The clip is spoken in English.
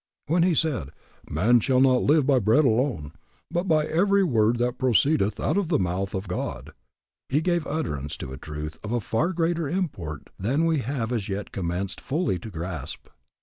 When he said, Man shall not live by bread alone, but by every word that proceedeth out of the mouth of God, he gave utterance to a truth of far greater import than we have as yet commenced fully to grasp.